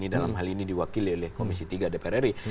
dalam hal ini diwakili oleh komisi tiga dpr ri